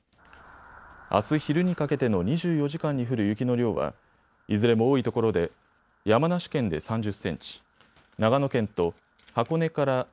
あす昼にかけての２４時間に降る雪の量はいずれも多いところで山梨県で３０センチ、長野県と箱根から